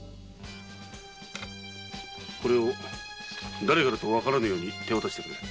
これをだれからとわからぬように手渡してくれ。